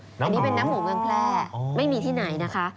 อันนี้เป็นน้ำหมูเมืองแพร่ไม่มีที่ไหนนะคะ